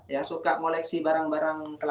yang suka moleksi barang barang